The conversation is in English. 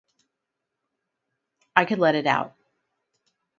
I could let it out.